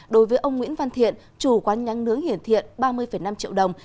đối với ông nguyễn văn thiện chủ quán nhắn nướng hiển thiện ba mươi năm triệu đồng